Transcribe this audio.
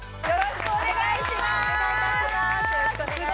よろしくお願いします